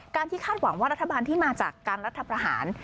ที่คาดหวังว่ารัฐบาลที่มาจากการรัฐประหาร